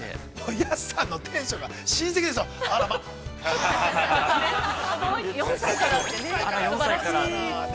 ◆安さんのテンションが親戚ですね。